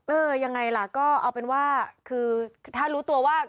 เออยังไงล่ะก็เอาเป็นว่าคือถ้ารู้ตัวว่า